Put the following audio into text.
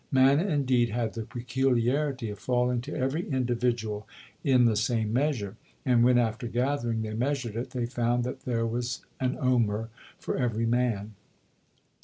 Manna, indeed, had the peculiarity of falling to every individual in the same measure; and when, after gathering, they measured it, they found that there was an omer for every man.